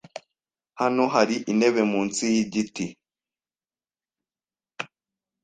Hano hari intebe munsi yigiti.